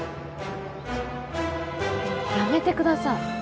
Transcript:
やめてください。